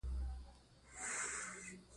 دځنګل حاصلات د افغانستان د انرژۍ سکتور برخه ده.